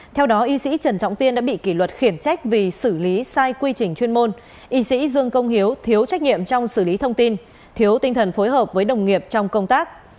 theo đó y sĩ trần trọng tiên đã bị kỷ luật khiển trách vì xử lý sai quy trình chuyên môn y sĩ dương công hiếu thiếu trách nhiệm trong xử lý thông tin thiếu tinh thần phối hợp với đồng nghiệp trong công tác